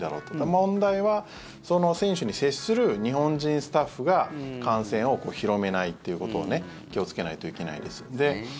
問題は選手に接する日本人スタッフが感染を広めないっていうことを気をつけないといけないです。